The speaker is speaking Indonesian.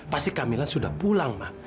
pasti kamilah sudah pulang ma